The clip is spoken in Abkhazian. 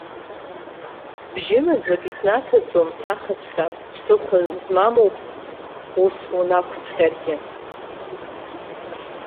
Бжьы маӡак иснаҭаӡом ҭахаҵәҟьа, ԥсыхәа змамоуп ус унақәцәҟьаргь.